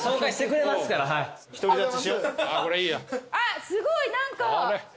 あっすごい何か。